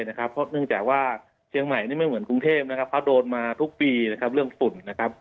เพราะเนื่องจากว่าเชียงใหม่ไม่เหมือนกรุงเทพเขาโดนมาทุกปีเรื่องฝุ่น